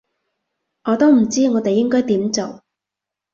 我都唔知我哋應該點做